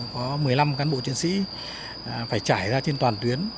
có một mươi năm cán bộ chiến sĩ phải trải ra trên toàn tuyến